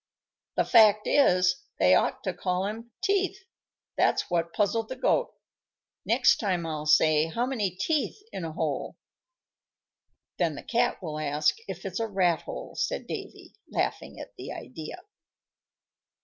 "The fact is, they ought to call 'em teeth. That's what puzzled the Goat. Next time I'll say, 'How many teeth in a whole?'" "Then the Cat will ask if it's a rat hole," said Davy, laughing at the idea.